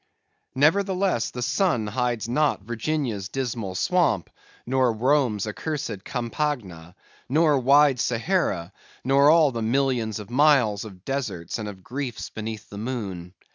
Nevertheless the sun hides not Virginia's Dismal Swamp, nor Rome's accursed Campagna, nor wide Sahara, nor all the millions of miles of deserts and of griefs beneath the moon.